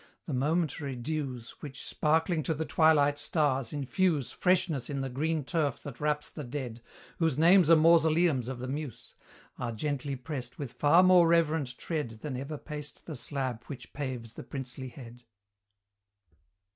the momentary dews Which, sparkling to the twilight stars, infuse Freshness in the green turf that wraps the dead, Whose names are mausoleums of the Muse, Are gently prest with far more reverent tread Than ever paced the slab which paves the princely head.